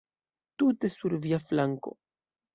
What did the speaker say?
Tute sur via flanko.